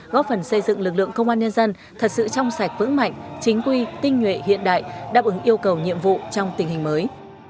góp phần xây dựng lực lượng công an nhân dân thật sự trong sạch vững mạnh chính quy tinh nhuệ hiện đại đáp ứng yêu cầu nhiệm vụ trong tình hình mới